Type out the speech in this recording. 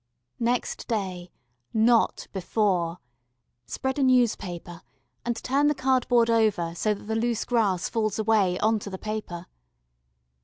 Next day, not before, spread a newspaper and turn the cardboard over so that the loose grass falls away on to the paper.